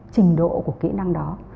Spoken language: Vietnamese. trình độ của kỹ năng đó